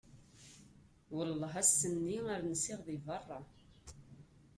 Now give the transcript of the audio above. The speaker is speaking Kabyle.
Welleh ass-nni ar nsiɣ deg berra!